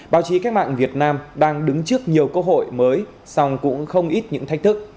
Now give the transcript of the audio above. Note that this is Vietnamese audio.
báo chí cách mạng việt nam đang đứng trước nhiều cơ hội mới song cũng không ít những thách thức